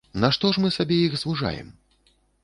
Нашто ж мы сабе іх звужаем?